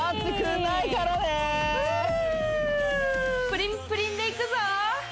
プリンプリンでいくぞ！